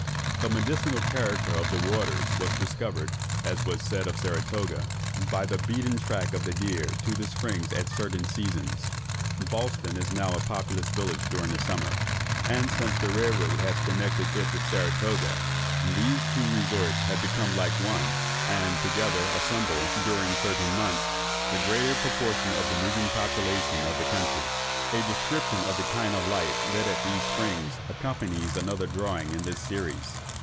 The medicinal character of the waters was discovered (as was said of Saratoga) by the beaten track of the deer to the springs at certain seasons. Ballston is now a populous village during the summer, and, since the rail road has connected it with Saratoga, these two resorts have become like one, and, together, assemble, during certain months, the greater proportion of the moving population of the country. A description of the kind of life led at these springs accompanies another drawing in this Series.